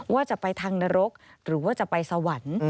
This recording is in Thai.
ว่าจะไปทางนรกหรือว่าจะไปสวรรค์